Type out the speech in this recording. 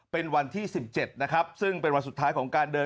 เป็นวันที่๑๗นะครับซึ่งเป็นวันสุดท้ายของการเดิน